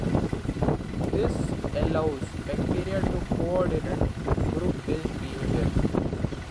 This allows bacteria to coordinate group-based behavior.